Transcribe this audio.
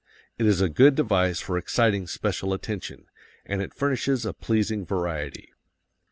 It is a good device for exciting special attention, and it furnishes a pleasing variety.